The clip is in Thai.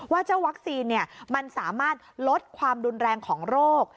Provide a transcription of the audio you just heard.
เจ้าวัคซีนมันสามารถลดความรุนแรงของโรค